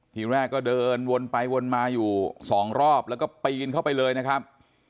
ทีแรกก็เดินวนไปวนมาอยู่สองรอบแล้วก็ปีนเข้าไปเลยนะครับ